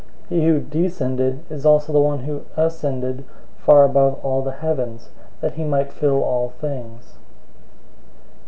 004:010 He who descended is the one who also ascended far above all the heavens, that he might fill all things.